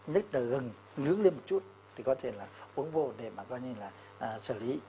nước gừng nướng lên một chút thì có thể là uống vô để mà coi như là xử lý